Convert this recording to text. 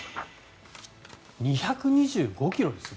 ２２５ｋｇですよ。